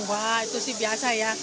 wah itu sih biasa ya